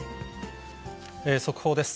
速報です。